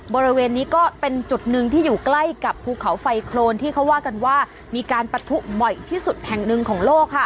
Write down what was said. บริเวณนี้ก็เป็นจุดหนึ่งที่อยู่ใกล้กับภูเขาไฟโครนที่เขาว่ากันว่ามีการปะทุบ่อยที่สุดแห่งหนึ่งของโลกค่ะ